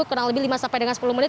kurang lebih lima sepuluh menit